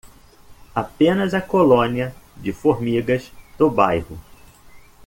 Apenas a colônia de formigas do bairro.